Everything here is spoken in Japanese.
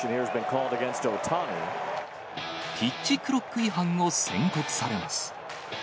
ピッチクロック違反を宣告されます。